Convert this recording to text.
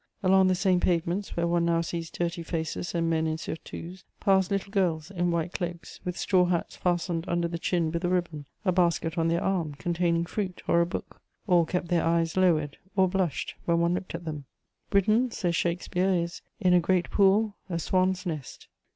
Along the same pavements where one now sees dirty faces and men in surtouts, passed little girls in white cloaks, with straw hats fastened under the chin with a ribbon, a basket on their arm, containing fruit or a book; all kept their eyes lowered, all blushed when one looked at them: "Britain," says Shakespeare, is "in a great pool, a swan's nest."